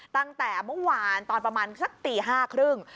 ตั้งแต่เมื่อวานตอนประมาณสักตี๕๓๐